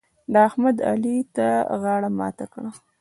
احمد؛ علي ته غاړه ماته کړه.